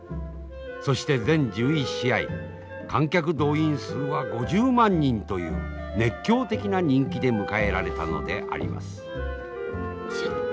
そして全１１試合観客動員数は５０万人という熱狂的な人気で迎えられたのであります。